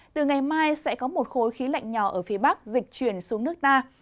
từ ngày mai sẽ có một khối khí lạnh nhỏ ở phía bắc dịch chuyển xuống nước ta